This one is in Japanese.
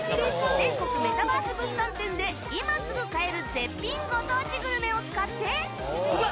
「全国メタバース物産展」で今すぐ買える絶品ご当地グルメを使って。